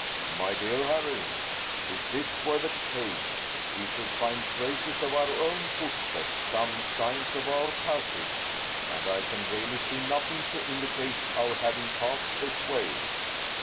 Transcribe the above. "My dear Harry if this were the case, we should find traces of our own footsteps, some signs of our passage; and I can really see nothing to indicate our having passed this way."